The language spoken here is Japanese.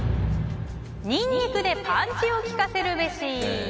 ニンニクでパンチをきかせるべし。